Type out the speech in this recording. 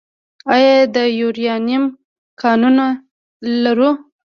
آیا د یورانیم کانونه لرو؟